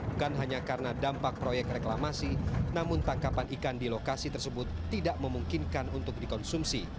bukan hanya karena dampak proyek reklamasi namun tangkapan ikan di lokasi tersebut tidak memungkinkan untuk dikonsumsi